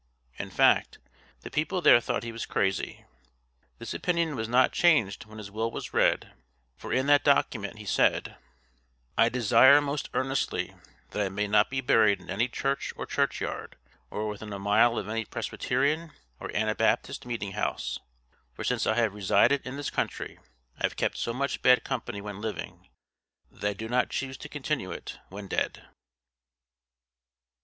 In fact, the people there thought he was crazy. This opinion was not changed when his will was read, for in that document he said, "I desire most earnestly that I may not be buried in any church or churchyard, or within a mile of any Presbyterian or Anabaptist meeting house; for since I have resided in this country I have kept so much bad company when living, that I do not choose to continue it when dead."